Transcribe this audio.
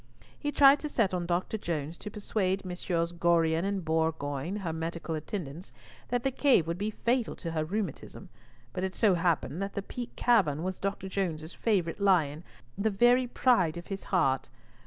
He tried to set on Dr. Jones to persuade Messieurs Gorion and Bourgoin, her medical attendants, that the cave would be fatal to her rheumatism, but it so happened that the Peak Cavern was Dr. Jones's favourite lion, the very pride of his heart.